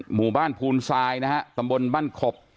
หมู่บ้านภูนทรายนะฮะตำบลบ้านขบ